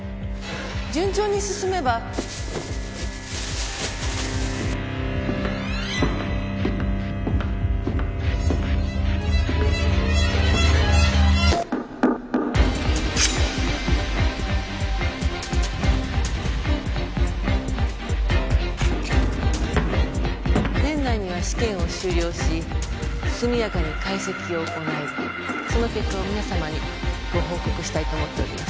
順調に進めば年内には試験を終了し速やかに解析を行いその結果を皆様にご報告したいと思っております